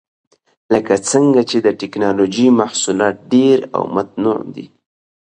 لکه څنګه چې د ټېکنالوجۍ محصولات ډېر او متنوع دي.